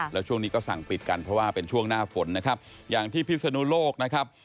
แล้วช่วงนี้ก็สั่งปิดกันเพราะว่าเป็นช่วงหน้าฝนนะครับอย่างที่พิศนุโลกนะครับ